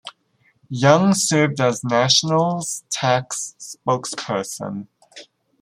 Young served as National's tax spokesperson.